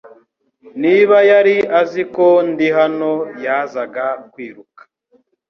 Niba yari azi ko ndi hano, yazaga kwiruka.